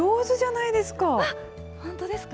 本当ですか。